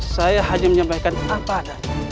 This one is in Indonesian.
saya hanya menyampaikan apa ada